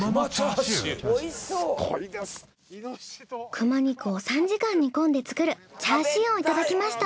熊肉を３時間煮込んで作るチャーシューをいただきました。